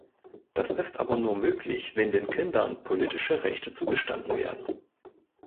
Das ist aber nur möglich, wenn den Kindern politische Rechte zugestanden werden.